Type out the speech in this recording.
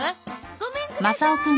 ごめんくださーい。